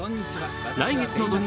来月の土日